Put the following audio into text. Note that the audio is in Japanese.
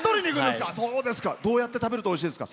どうやって食べるとおいしいですか？